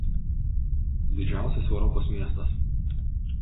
Didžiausias Europos miestas.